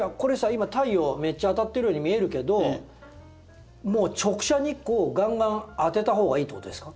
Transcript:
今太陽めっちゃ当たってるように見えるけどもう直射日光をがんがん当てたほうがいいってことですか？